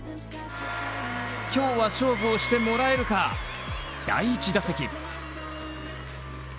今日は勝負をしてもらえるか第一打席。